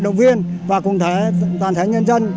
động viên và cùng toàn thể nhân dân